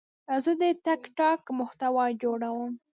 زه د ټک ټاک محتوا جوړوم.